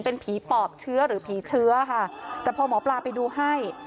เป็นผีปอบเชื้อหรือผีเชื้อค่ะแต่พอหมอปลาไปดูให้